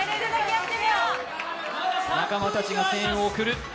仲間たちが声援を送る。